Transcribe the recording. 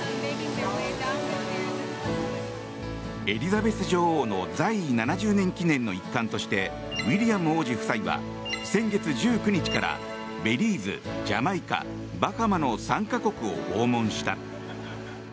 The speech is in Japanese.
エリザベス女王の在位７０年記念の一環としてウィリアム王子夫妻は先月１９日からベリーズ、ジャマイカ、バハマの３か国を訪問した。